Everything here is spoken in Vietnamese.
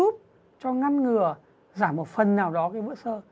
nó ngăn ngừa giảm một phần nào đó cái vữa sơ